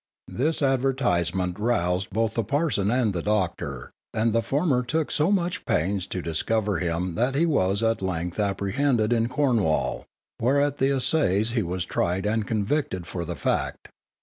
This advertisement roused both the parson and the doctor, and the former took so much pains to discover him that he was at length apprehended in Cornwall, where at the assizes he was tried and convicted for the fact.